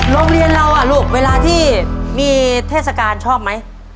โรงเรียนเราอ่ะลูกเวลาที่มีเทศกาลชอบไหม